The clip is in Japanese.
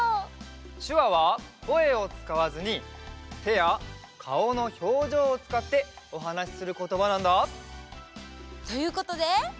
しゅわはこえをつかわずにてやかおのひょうじょうをつかっておはなしすることばなんだ。ということでクイズ！